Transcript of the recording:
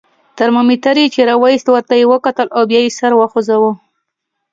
ترمامیتر یې چې را وایست، ورته یې وکتل او بیا یې سر وخوځاوه.